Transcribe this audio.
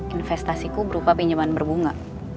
investasiku berupa pinjaman berbunga